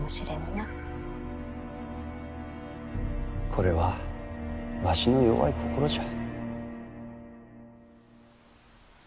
これはわしの弱い心じゃ。